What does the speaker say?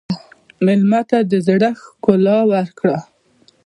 مېلمه ته د زړښت ښکلا ورکړه.